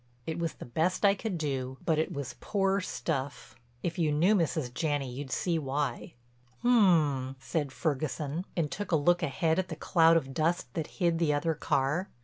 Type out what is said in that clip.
It was the best I could do, but it was poor stuff. If you knew Mrs. Janney you'd see why. "Um," said Ferguson, and took a look ahead at the cloud of dust that hid the other car.